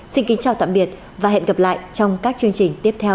xin kính chào tạm biệt và hẹn gặp lại trong các chương trình tiếp theo